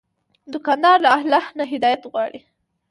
دوکاندار له الله نه هدایت غواړي.